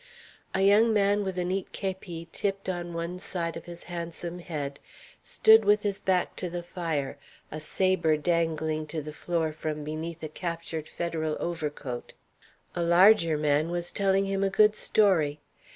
A young man with a neat kepi tipped on one side of his handsome head stood with his back to the fire, a sabre dangling to the floor from beneath a captured Federal overcoat. A larger man was telling him a good story.